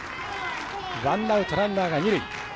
ワンアウト、ランナーが二塁。